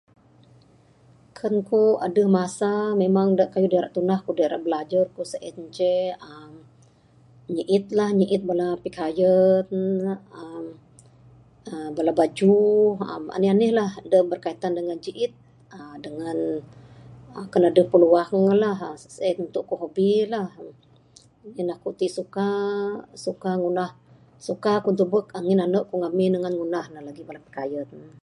Kan ku adeh masa memang dak kayuh dak ira tundah ku, kayuh da ra bilajar ku sien ceh uhh nyiit lah, nyiit bala pikayan. uhh uhh bala bajuh uhh, anih anih lah berkaitan dangan jiit, uhh dangan, kan adeh piluang lah, sien untuk ku hobi lah, ngin aku ti suka, suka ngundah, suka ku tubek ngin ande ku ngamin suka ngundah lagih bala pikayan.